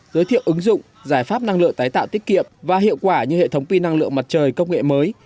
giới thiệu ứng dụng giải pháp năng lượng tái tạo tiết kiệm và hiệu quả như hệ thống pin năng lượng mặt trời công nghệ mới